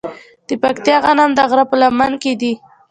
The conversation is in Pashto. د پکتیا غنم د غره په لمن کې دي.